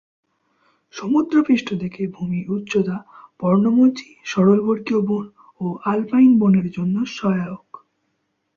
সমুদ্রপৃষ্ঠ থেকে ভূমির উচ্চতা পর্ণমোচী, সরলবর্গীয় বন ও আলপাইন বনের জন্য সহায়ক।